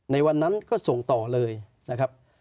ในวันนั้นก็ส่งต่อเลยนะครับ